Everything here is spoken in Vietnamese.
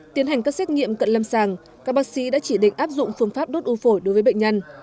tiến hành các xét nghiệm cận lâm sàng các bác sĩ đã chỉ định áp dụng phương pháp đốt u phổi đối với bệnh nhân